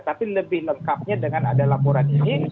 tapi lebih lengkapnya dengan ada laporan ini